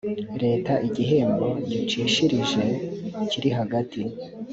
leta igihembo gicishirije kiri hagati